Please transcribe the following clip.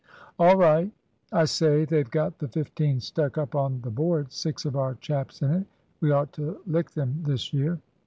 "All right. I say, they've got the fifteen stuck up on the boards six of our chaps in it. We ought to lick them this year."